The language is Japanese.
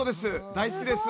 大好きです。